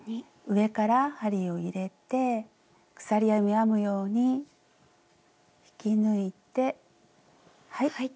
上から針を入れて鎖編みを編むように引き抜いてはい。